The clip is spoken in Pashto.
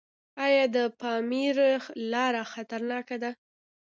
آیا د ماهیپر لاره خطرناکه ده؟